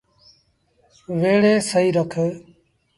ويڙي سهيٚ رک۔